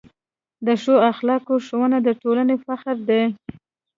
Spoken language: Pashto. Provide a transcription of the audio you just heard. د ښو اخلاقو ښوونه د ټولنې فخر دی.